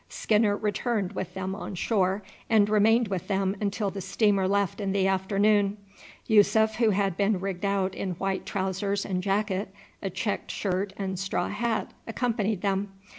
Skinner returned with them on shore, and remained with them until the steamer left in the afternoon. Yussuf, who had been rigged out in white trousers and jacket, a checked shirt, and straw hat, accompanying them.